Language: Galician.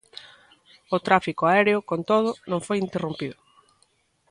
O tráfico aéreo, con todo, non foi interrompido.